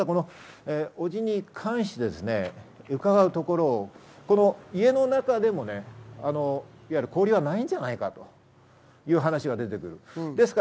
伯父に関して伺うところ、家の中でも交流はないんじゃないかと言う話が出てくる。